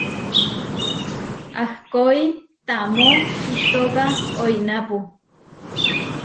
Ahkói tamó itóka oinápu.